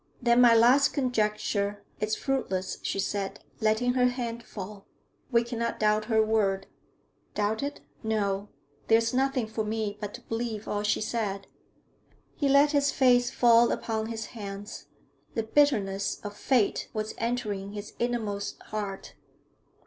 'Then my last conjecture is fruitless,' she said, letting her hand fall. 'We cannot doubt her word.' 'Doubt it? No. There is nothing for me but to believe all she said.' He let his face fall upon his hands; the bitterness of fate was entering his inmost heart.